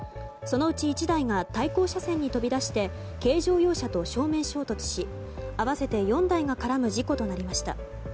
そのうち１台が対向車線に飛び出して軽乗用車と正面衝突し合わせて４台が絡む事故となりました。